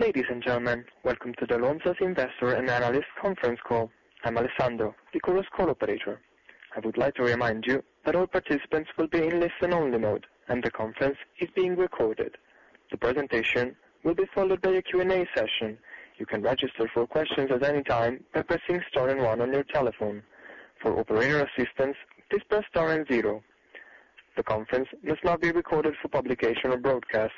Ladies and gentlemen, welcome to the Lonza Investor and Analyst Conference Call. I'm Alessandro, the conference call operator. I would like to remind you that all participants will be in listen-only mode, and the conference is being recorded. The presentation will be followed by a Q&A session. You can register for questions at any time by pressing star and one on your telephone. For operator assistance, please press star and zero. The conference must not be recorded for publication or broadcast.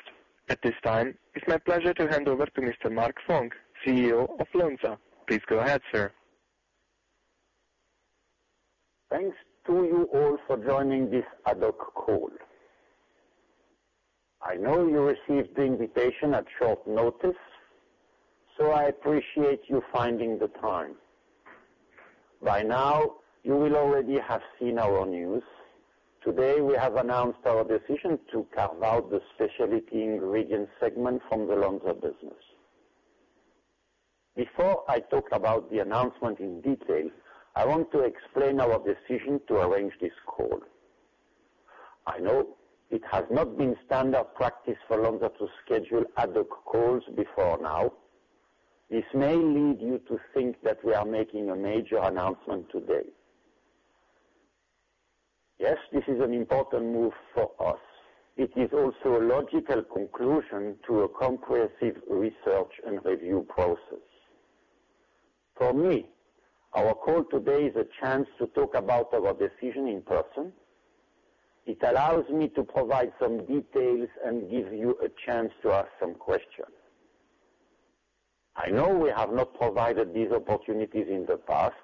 At this time, it's my pleasure to hand over to Mr. Marc Funk, CEO of Lonza. Please go ahead, sir. Thanks to you all for joining this ad hoc call. I know you received the invitation at short notice, I appreciate you finding the time. By now, you will already have seen our news. Today, we have announced our decision to carve out the Specialty Ingredients segment from the Lonza business. Before I talk about the announcement in detail, I want to explain our decision to arrange this call. I know it has not been standard practice for Lonza to schedule ad hoc calls before now. This may lead you to think that we are making a major announcement today. Yes, this is an important move for us. It is also a logical conclusion to a comprehensive research and review process. For me, our call today is a chance to talk about our decision in person. It allows me to provide some details and give you a chance to ask some questions. I know we have not provided these opportunities in the past,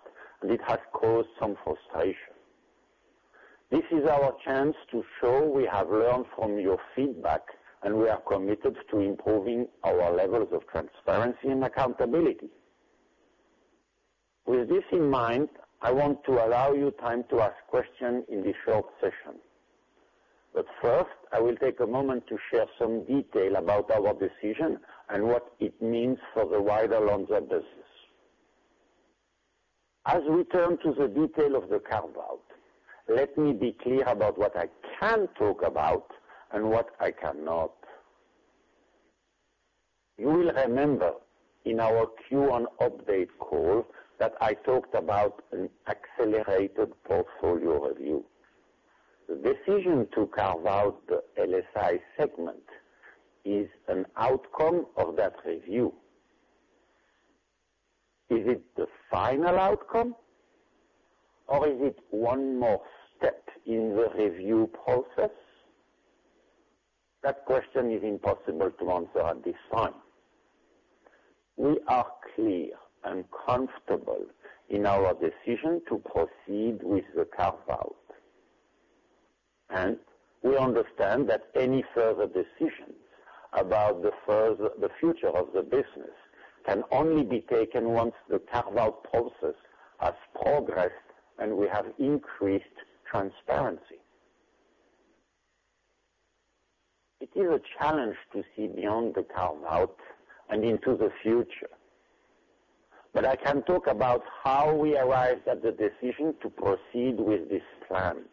it has caused some frustration. This is our chance to show we have learned from your feedback, we are committed to improving our levels of transparency and accountability. With this in mind, I want to allow you time to ask questions in this short session. First, I will take a moment to share some detail about our decision and what it means for the wider Lonza business. As we turn to the detail of the carve-out, let me be clear about what I can talk about and what I cannot. You will remember in our Q1 update call that I talked about an accelerated portfolio review. The decision to carve out the LSI segment is an outcome of that review. Is it the final outcome, or is it one more step in the review process? That question is impossible to answer at this time. We are clear and comfortable in our decision to proceed with the carve-out. We understand that any further decisions about the future of the business can only be taken once the carve-out process has progressed and we have increased transparency. It is a challenge to see beyond the carve-out and into the future. I can talk about how we arrived at the decision to proceed with this plan.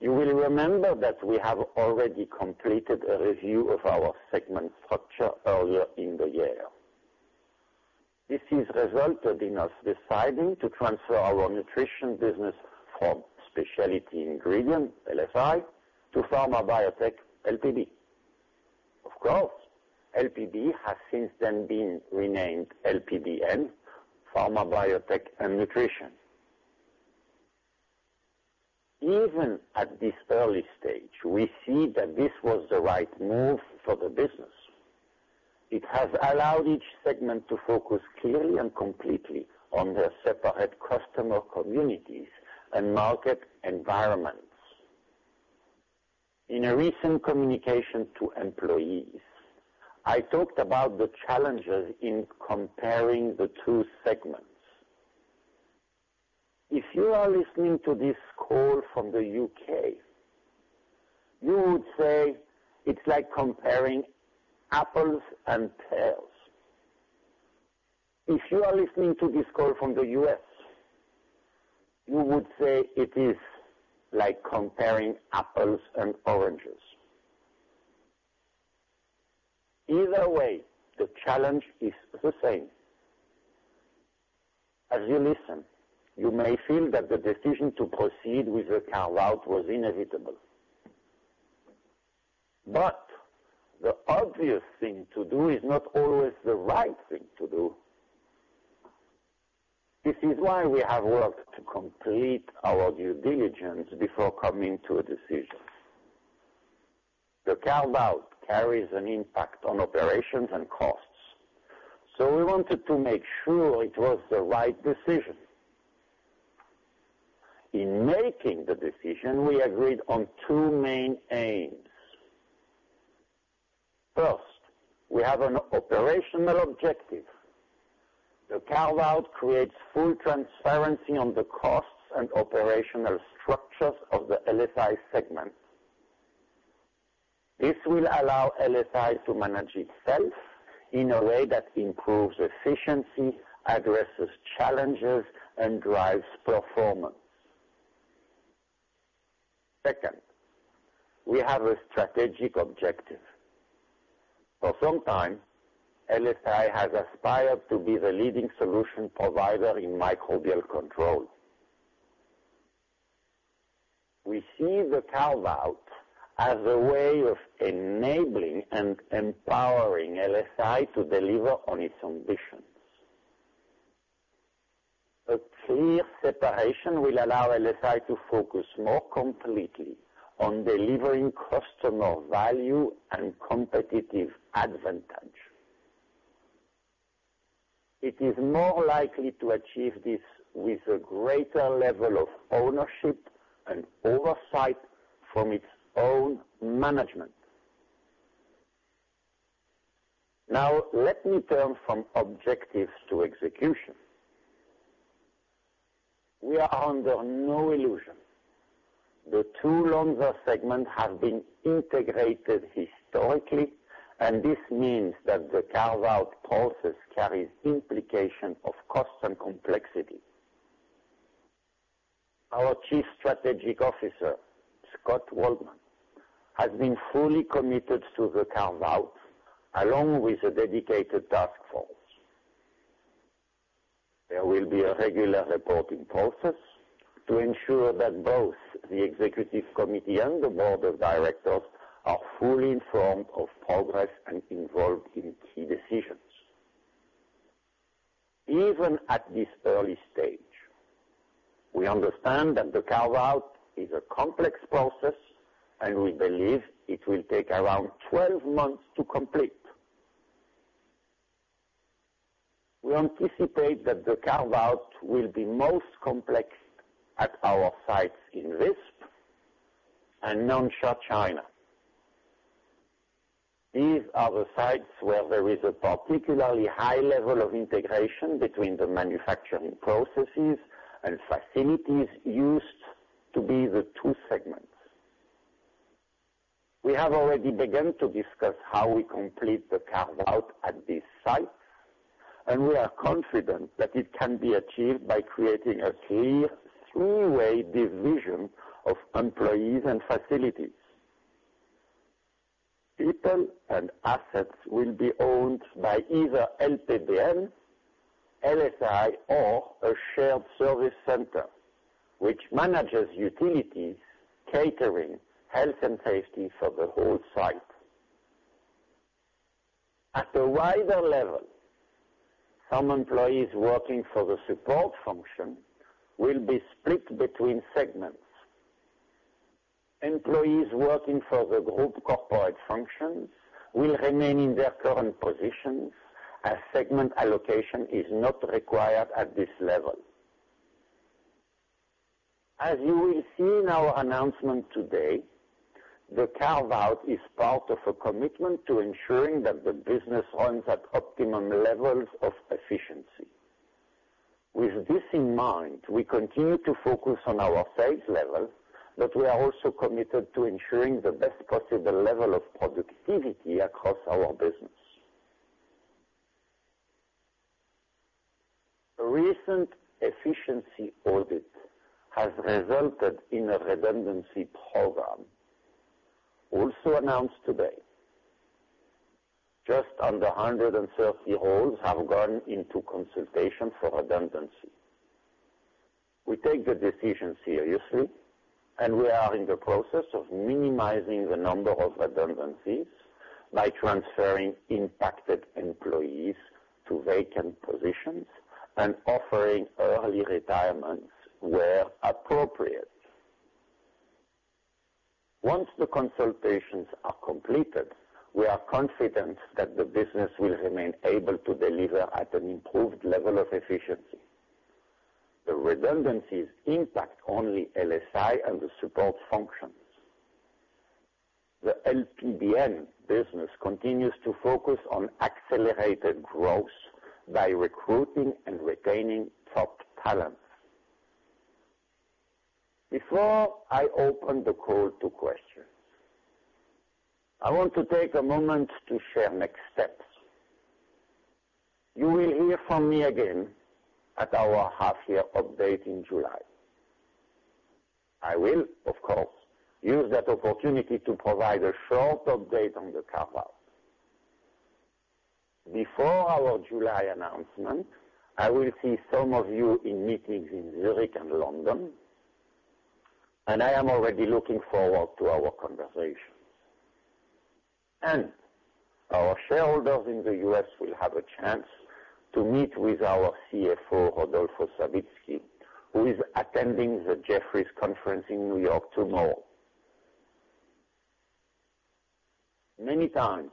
You will remember that we have already completed a review of our segment structure earlier in the year. This has resulted in us deciding to transfer our nutrition business from Specialty Ingredients, LSI, to Pharma Biotech, LPB. Of course, LPB has since then been renamed LPBN, Pharma Biotech & Nutrition. Even at this early stage, we see that this was the right move for the business. It has allowed each segment to focus clearly and completely on their separate customer communities and market environments. In a recent communication to employees, I talked about the challenges in comparing the two segments. If you are listening to this call from the U.K., you would say it's like comparing apples and pears. If you are listening to this call from the U.S., you would say it is like comparing apples and oranges. Either way, the challenge is the same. As you listen, you may feel that the decision to proceed with the carve out was inevitable. The obvious thing to do is not always the right thing to do. This is why we have worked to complete our due diligence before coming to a decision. The carve out carries an impact on operations and costs. We wanted to make sure it was the right decision. In making the decision, we agreed on two main aims. First, we have an operational objective. The carve out creates full transparency on the costs and operational structures of the LSI segment. This will allow LSI to manage itself in a way that improves efficiency, addresses challenges, and drives performance. Second, we have a strategic objective. For some time, LSI has aspired to be the leading solution provider in microbial control. We see the carve-out as a way of enabling and empowering LSI to deliver on its ambitions. A clear separation will allow LSI to focus more completely on delivering customer value and competitive advantage. It is more likely to achieve this with a greater level of ownership and oversight from its own management. Now let me turn from objectives to execution. We are under no illusion. The two Lonza segments have been integrated historically, and this means that the carve-out process carries implications of cost and complexity. Our Chief Strategic Officer, Scott Waldman, has been fully committed to the carve-out, along with a dedicated task force. There will be a regular reporting process to ensure that both the Executive Committee and the Board of Directors are fully informed of progress and involved in key decisions. Even at this early stage, we understand that the carve-out is a complex process, and we believe it will take around 12 months to complete. We anticipate that the carve-out will be most complex at our sites in Visp and Nansha, China. These are the sites where there is a particularly high level of integration between the manufacturing processes and facilities used to be the two segments. We have already begun to discuss how we complete the carve-out at these sites. We are confident that it can be achieved by creating a clear three-way division of employees and facilities. People and assets will be owned by either LPBN, LSI, or a shared service center, which manages utilities, catering, health, and safety for the whole site. At a wider level, some employees working for the support function will be split between segments. Employees working for the group corporate functions will remain in their current positions as segment allocation is not required at this level. As you will see in our announcement today, the carve-out is part of a commitment to ensuring that the business runs at optimum levels of efficiency. With this in mind, we continue to focus on our sales level, but we are also committed to ensuring the best possible level of productivity across our business. A recent efficiency audit has resulted in a redundancy program also announced today. Just under 130 roles have gone into consultation for redundancy. We take the decision seriously, and we are in the process of minimizing the number of redundancies by transferring impacted employees to vacant positions and offering early retirement where appropriate. Once the consultations are completed, we are confident that the business will remain able to deliver at an improved level of efficiency. The redundancies impact only LSI and the support functions. The LPBN business continues to focus on accelerated growth by recruiting and retaining top talent. Before I open the call to questions, I want to take a moment to share next steps. You will hear from me again at our half-year update in July. I will, of course, use that opportunity to provide a short update on the carve-out. Before our July announcement, I will see some of you in meetings in Zurich and London, and I am already looking forward to our conversations. Our shareholders in the U.S. will have a chance to meet with our CFO, Rodolfo Savitzky, who is attending the Jefferies conference in New York tomorrow. Many times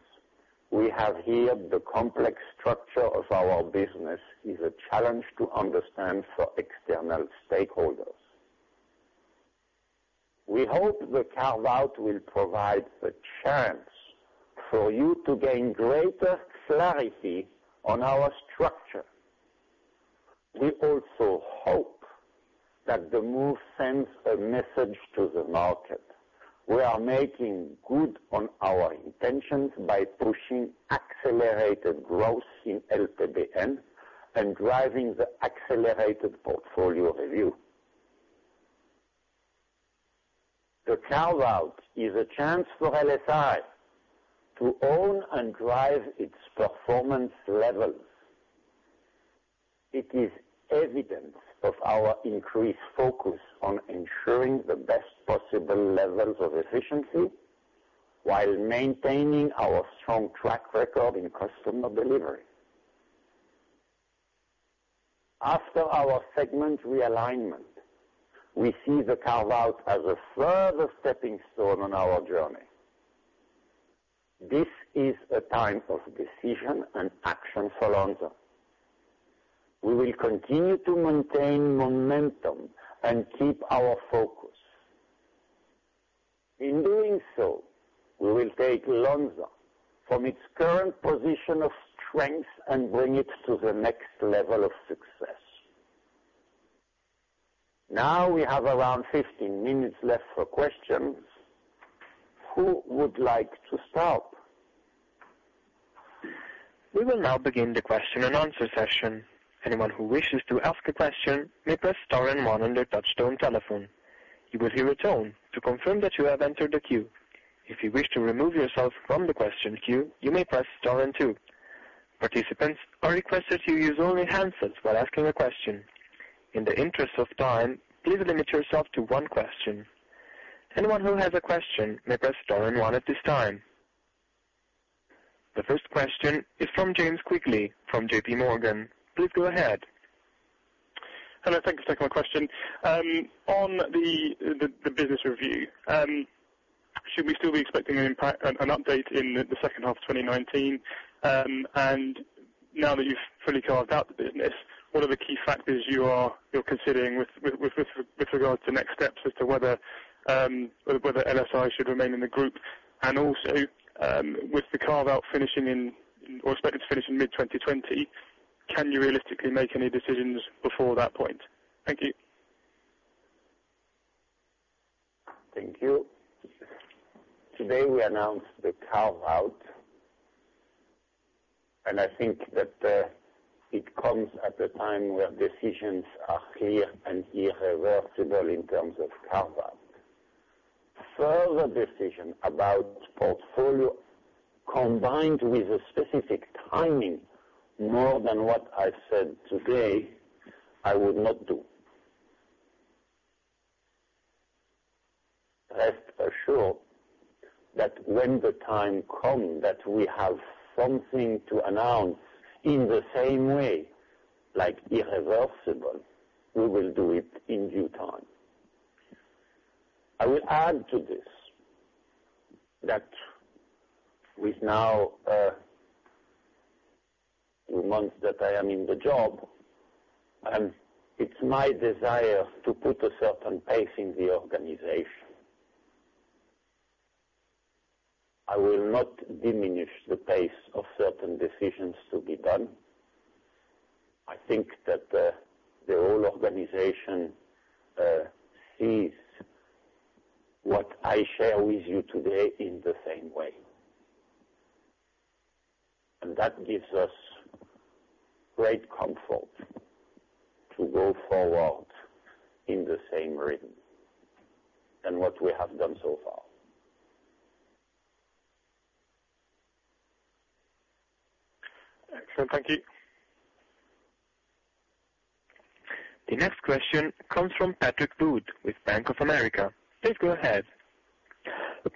we have heard the complex structure of our business is a challenge to understand for external stakeholders. We hope the carve-out will provide the chance for you to gain greater clarity on our structure. We also hope that the move sends a message to the market. We are making good on our intentions by pushing accelerated growth in LPBN and driving the accelerated portfolio review. The carve-out is a chance for LSI to own and drive its performance levels. It is evidence of our increased focus on ensuring the best possible levels of efficiency while maintaining our strong track record in customer delivery. After our segment realignment, we see the carve-out as a further stepping stone on our journey. This is a time of decision and action for Lonza. We will continue to maintain momentum and keep our focus. In doing so, we will take Lonza from its current position of strength and bring it to the next level of success. Now we have around 15 minutes left for questions. Who would like to start? We will now begin the question and answer session. Anyone who wishes to ask a question may press star and one on their touchtone telephone. You will hear a tone to confirm that you have entered the queue. If you wish to remove yourself from the question queue, you may press star and two. Participants are requested to use only handsets while asking a question. In the interest of time, please limit yourself to one question. Anyone who has a question may press star and one at this time. The first question is from James Quigley from JPMorgan. Please go ahead. Hello. Thank you for taking my question. On the business review, should we still be expecting an update in the second half of 2019? Now that you've fully carved out the business, what are the key factors you're considering with regard to next steps as to whether LSI should remain in the group? Also, with the carve-out expected to finish in mid-2020, can you realistically make any decisions before that point? Thank you. Thank you. Today we announced the carve-out, and I think that it comes at a time where decisions are clear and irreversible in terms of carve-out. Further decision about portfolio combined with a specific timing, more than what I said today, I would not do. Rest assured that when the time comes that we have something to announce in the same way, like irreversible, we will do it in due time. I will add to this, that with now a few months that I am in the job, it's my desire to put a certain pace in the organization. I will not diminish the pace of certain decisions to be done. I think that the whole organization sees what I share with you today in the same way. That gives us great comfort to go forward in the same rhythm in what we have done so far. Excellent. Thank you. The next question comes from Patrick Bott with Bank of America. Please go ahead.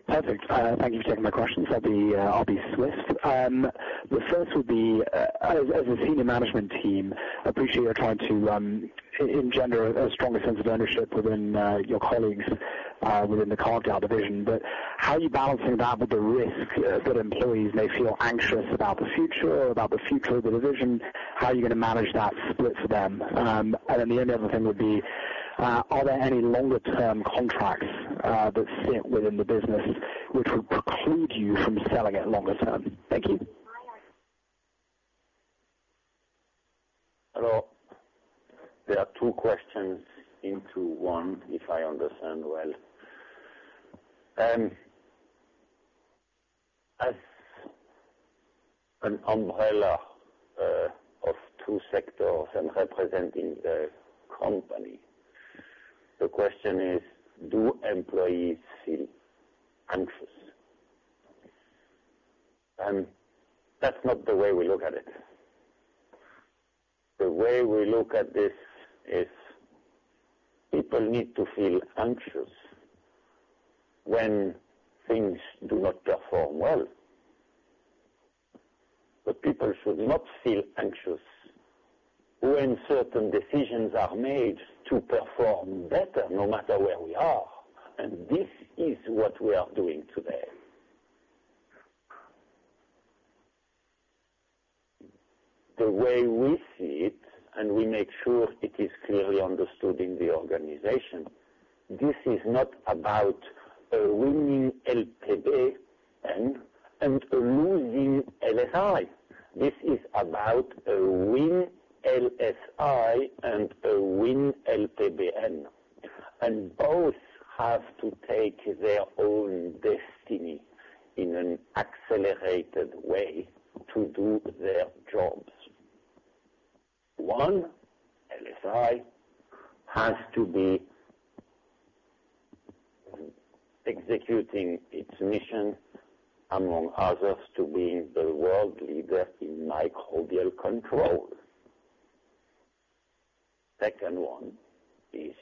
Perfect. Thank you for taking my questions. I'll be swift. The first will be, as a senior management team, appreciate you're trying to engender a stronger sense of ownership within your colleagues within the carved-out division. How are you balancing that with the risk that employees may feel anxious about the future, about the future of the division? How are you going to manage that split for them? The only other thing would be, are there any longer-term contracts that sit within the business which would preclude you from selling it longer-term? Thank you. Hello. There are two questions into one, if I understand well. As an umbrella of two sectors and representing the company, the question is: Do employees feel anxious? That's not the way we look at it. The way we look at this is people need to feel anxious when things do not perform well. People should not feel anxious when certain decisions are made to perform better, no matter where we are, and this is what we are doing today. The way we see it, and we make sure it is clearly understood in the organization. This is not about a winning LPBN and a losing LSI. This is about a win LSI and a win LPBN. Both have to take their own destiny in an accelerated way to do their jobs. One, LSI, has to be executing its mission, among others, to be the world leader in microbial control. Second one is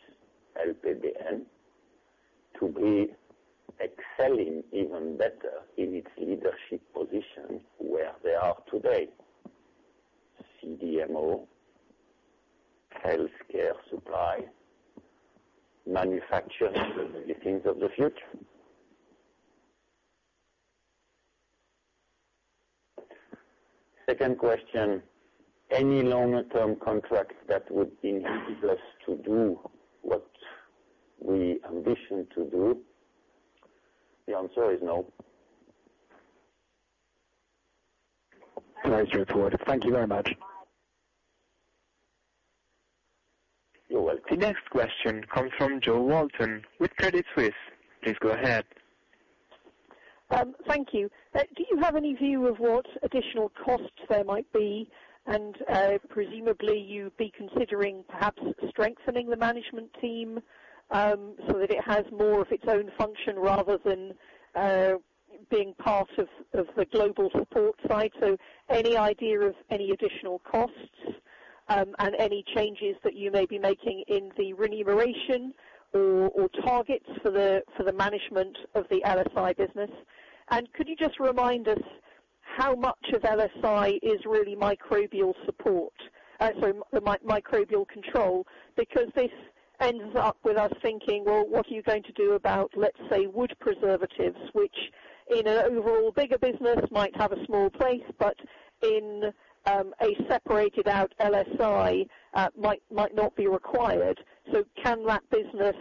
LPBN, to be excelling even better in its leadership position where they are today. CDMO, healthcare supply, manufacturing of the things of the future. Second question, any longer-term contracts that would enable us to do what we ambition to do? The answer is no. Thanks, Marc. Thank you very much. You're welcome. The next question comes from Jo Walton with Credit Suisse. Please go ahead. Thank you. Do you have any view of what additional costs there might be? Presumably, you'd be considering perhaps strengthening the management team, so that it has more of its own function rather than being part of the global support side. Any idea of any additional costs, and any changes that you may be making in the remuneration or targets for the management of the LSI business? Could you just remind us how much of LSI is really microbial control? Because this ends up with us thinking, well, what are you going to do about, let's say, wood preservatives, which in an overall bigger business might have a small place, but in a separated out LSI might not be required. Can that business,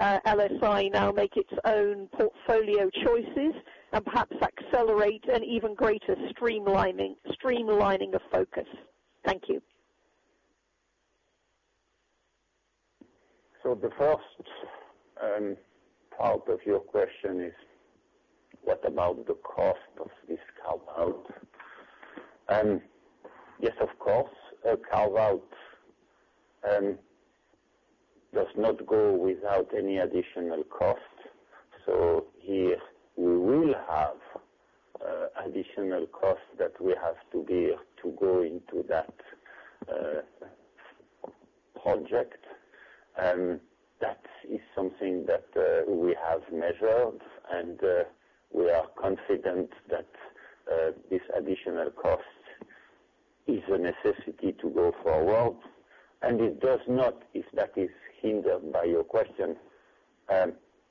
LSI, now make its own portfolio choices and perhaps accelerate an even greater streamlining of focus? Thank you. The first part of your question is, what about the cost of this carve-out? Yes, of course, a carve-out does not go without any additional cost. Here we will have additional cost that we have to bear to go into that project. That is something that we have measured, and we are confident that this additional cost is a necessity to go forward. It does not, if that is hindered by your question,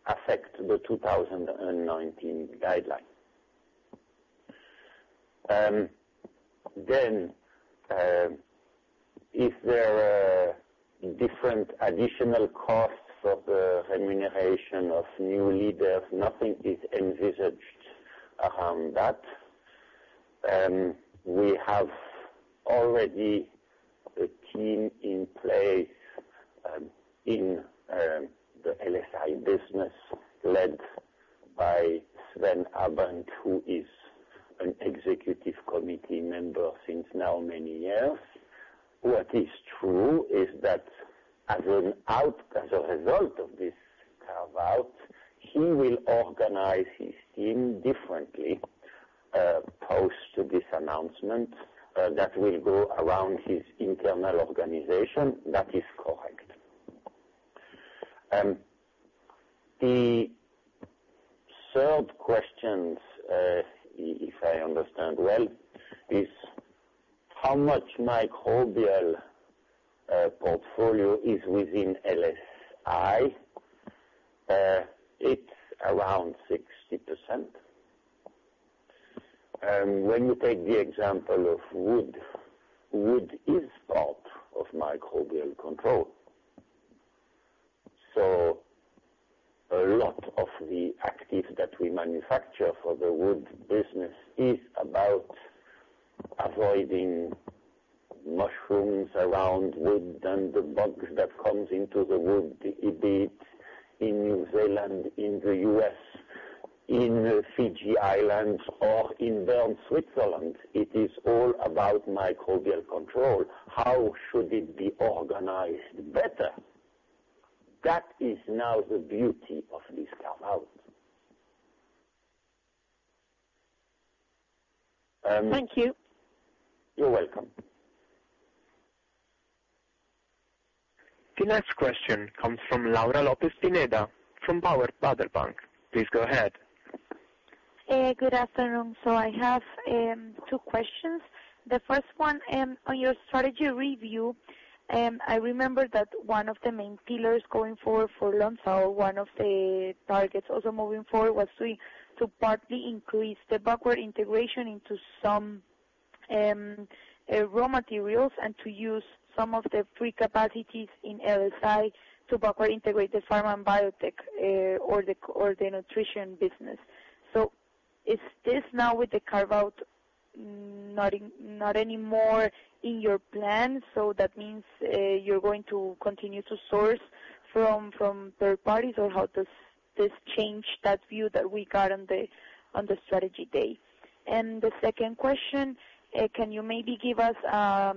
affect the 2019 guideline. If there are different additional costs for the remuneration of new leaders, nothing is envisaged around that. We have already a team in place in the LSI business led by Sven Abend, who is an executive committee member since now many years. What is true is that as a result of this carve-out, he will organize his team differently, post this announcement, that will go around his internal organization. That is correct. The third question, if I understand well, is how much microbial portfolio is within LSI? It is around 60%. When you take the example of wood is part of microbial control. A lot of the active that we manufacture for the wood business is about avoiding mushrooms around wood and the bugs that comes into the wood, be it in New Zealand, in the U.S., in Fiji Islands, or in Bern, Switzerland. It is all about microbial control. How should it be organized better? That is now the beauty of this carve-out. Thank you. You're welcome. The next question comes from Laura Lopez Pineda from Baader Bank. Please go ahead. Good afternoon. I have two questions. The first one on your strategy review, I remember that one of the main pillars going forward for Lonza, one of the targets also moving forward was to partly increase the backward integration into some raw materials and to use some of the free capacities in LSI to better integrate the pharma and biotech or the nutrition business. Is this now with the carve-out not anymore in your plan, that means you are going to continue to source from third parties, or how does this change that view that we got on the strategy day? The second question, can you maybe give us a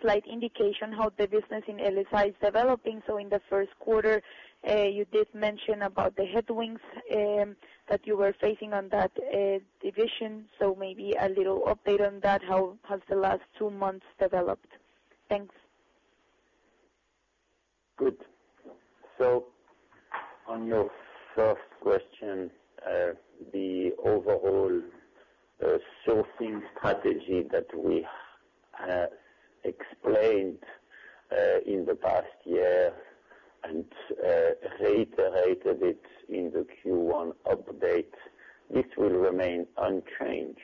slight indication how the business in LSI is developing? In the first quarter, you did mention about the headwinds that you were facing on that division. Maybe a little update on that. How has the last two months developed? Thanks. Good. On your first question, the overall sourcing strategy that we explained in the past year and reiterated it in the Q1 update, this will remain unchanged.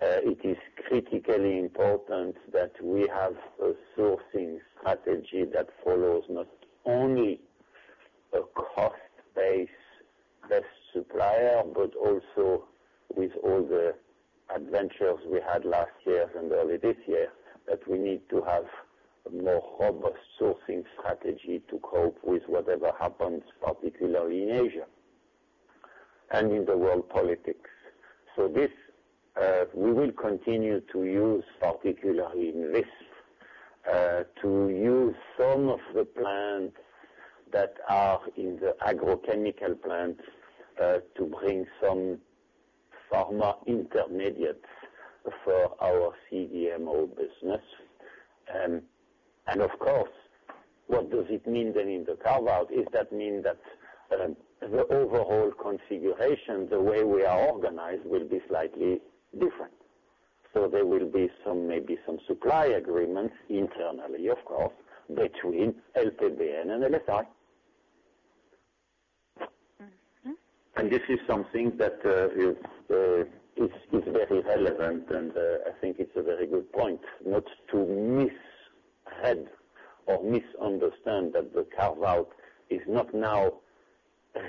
It is critically important that we have a sourcing strategy that follows not only a cost-based best supplier, but also with all the adventures we had last year and early this year, that we need to have a more robust sourcing strategy to cope with whatever happens, particularly in Asia and in the world politics. This, we will continue to use, particularly in this, to use some of the plants that are in the agrochemical plants to bring some pharma intermediates for our CDMO business. Of course, what does it mean then in the carve-out? Is that mean that the overall configuration, the way we are organized, will be slightly different. There will be maybe some supply agreements internally, of course, between LPBN and LSI. This is something that is very relevant, and I think it's a very good point not to misread or misunderstand that the carve-out is not now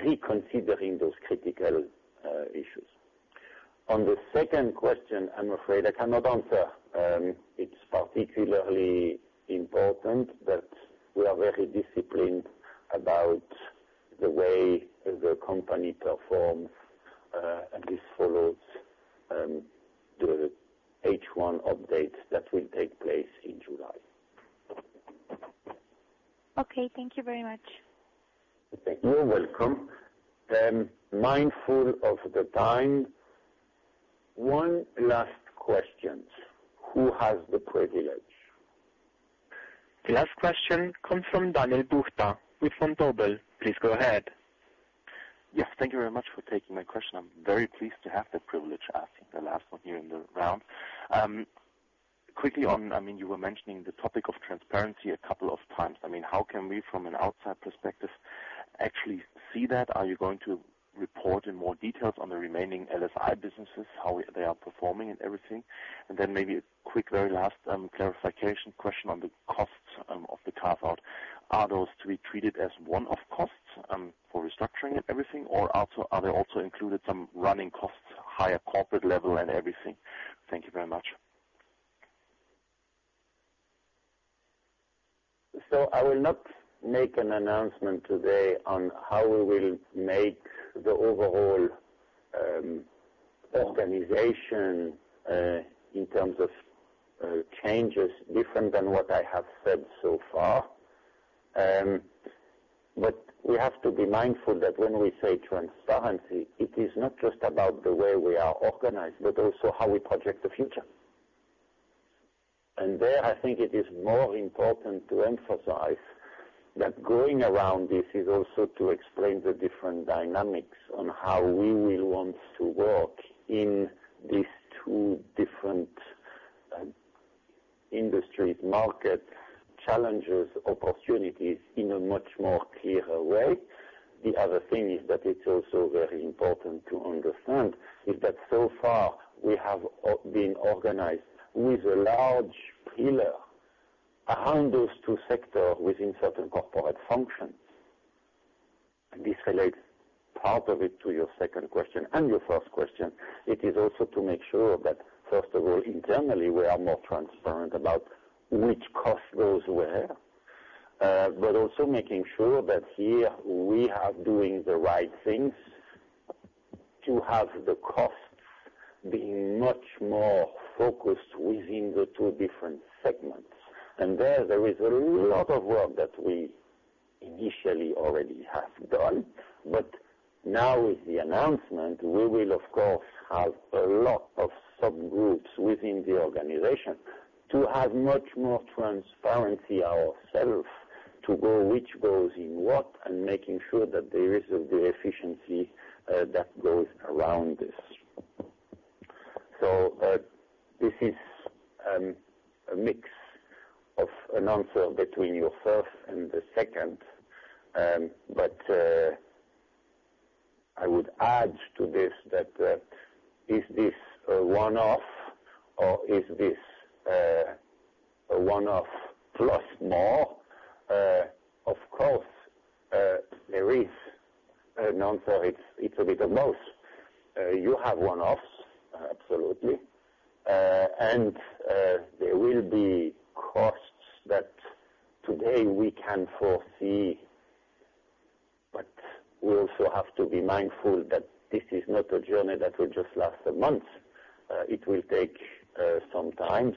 reconsidering those critical issues. On the second question, I'm afraid I cannot answer. It's particularly important that we are very disciplined about the way the company performs, and this follows the H1 update that will take place in July. Okay. Thank you very much. You're welcome. Mindful of the time, one last question. Who has the privilege? The last question comes from Daniel Buchta with Vontobel. Please go ahead. Yes, thank you very much for taking my question. I'm very pleased to have the privilege asking the last one here in the round. You were mentioning the topic of transparency a couple of times. How can we, from an outside perspective, actually see that? Are you going to report in more details on the remaining LSI businesses, how they are performing and everything? Maybe a quick, very last clarification question on the costs of the carve-out. Are those to be treated as one-off costs for restructuring and everything, or are there also included some running costs, higher corporate level and everything? Thank you very much. I will not make an announcement today on how we will make the overall organization, in terms of changes, different than what I have said so far. We have to be mindful that when we say transparency, it is not just about the way we are organized, but also how we project the future. I think it is more important to emphasize that going around this is also to explain the different dynamics on how we will want to work in these two different industries, market challenges, opportunities in a much more clearer way. The other thing is that it's also very important to understand is that so far we have been organized with a large pillar around those two sectors within certain corporate functions. This relates part of it to your second question and your first question. It is also to make sure that, first of all, internally, we are more transparent about which cost goes where. Also making sure that here we are doing the right things to have the costs being much more focused within the two different segments. There is a lot of work that we initially already have done. Now with the announcement, we will of course have a lot of subgroups within the organization to have much more transparency ourself to go which goes in what, and making sure that there is the efficiency that goes around this. This is a mix of an answer between your first and the second. I would add to this that, is this a one-off or is this a one-off plus more? Of course, there is, known for it will be the most. You have one-offs absolutely. There will be costs that today we can foresee, but we also have to be mindful that this is not a journey that will just last a month. It will take some time.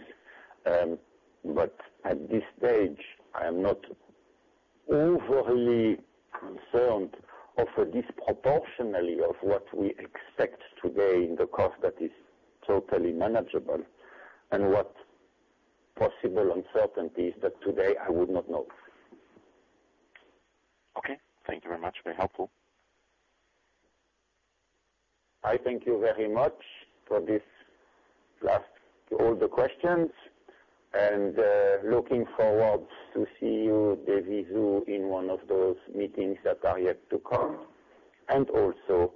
At this stage, I am not overly concerned of a disproportionally of what we expect today in the cost that is totally manageable, and what possible uncertainties that today I would not know. Okay. Thank you very much. Very helpful. I thank you very much for this last, all the questions, and looking forward to see you, Devi Zhu, in one of those meetings that are yet to come, and also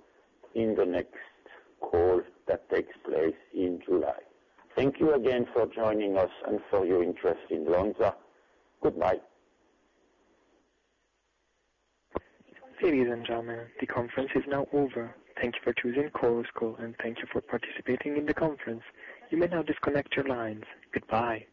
in the next call that takes place in July. Thank you again for joining us and for your interest in Lonza. Goodbye. Ladies and gentlemen, the conference is now over. Thank you for choosing Chorus Call, and thank you for participating in the conference. You may now disconnect your lines. Goodbye.